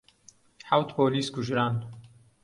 حەوت پۆلیس کوژران.